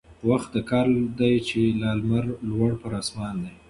وخت د كار دى چي لا لمر لوړ پر آسمان دى